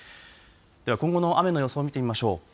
では今後の雨の予想を見てみましょう。